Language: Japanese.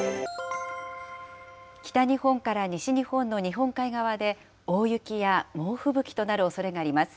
北日本から西日本の日本海側で大雪や猛吹雪となるおそれがあります。